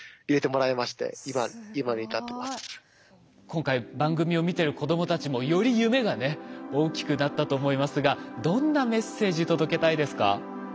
今回番組を見てる子どもたちもより夢がね大きくなったと思いますがどんなメッセージ届けたいですか？